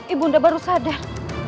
ibu ren baru sadar